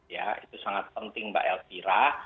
ya itu sangat penting mbak elvira